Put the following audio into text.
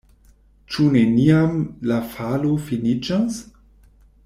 Ĉu neniam la falo finiĝos?